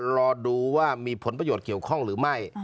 รอดูว่ามีผลประโยชน์เกี่ยวข้องหรือไม่